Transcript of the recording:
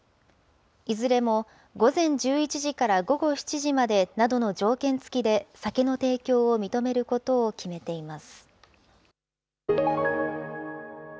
いずれも午前１１時から午後７時までなどの条件付きで、酒の提供を認めることを決めています。